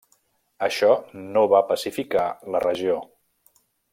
Això no va pacificar la regió.